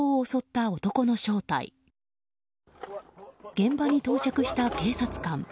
現場に到着した警察官。